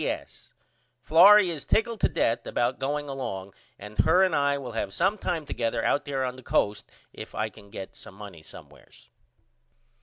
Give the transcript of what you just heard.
P.S. Florrie is tickled to death about going along and her and I will have some time together out there on the Coast if I can get some money somewheres.